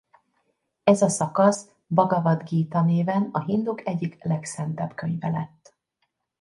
Ez a szakasz Bhagavad-gíta néven a hinduk egyik legszentebb könyve lett.